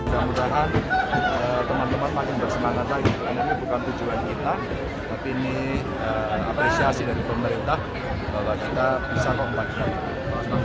semangat ini bukan tujuan kita tapi ini apresiasi dari pemerintah bahwa kita bisa membagi